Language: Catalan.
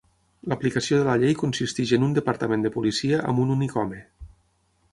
L'aplicació de la llei consisteix en un departament de policia amb un únic home.